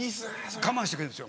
我慢してくれるんですよ。